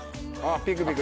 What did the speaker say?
ピクピク。